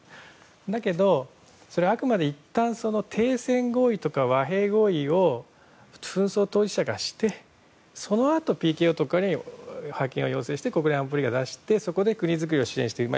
だけど、それはあくまでいったん停戦合意とか和平合意を紛争当事者がしてそのあとＰＫＯとかに派遣を要請して国連安保理が出して国づくりを支援している。